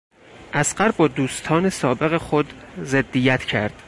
اصغر با دوستان سابق خود ضدیت کرد.